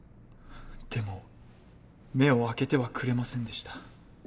でも目を開けてはくれませんでした。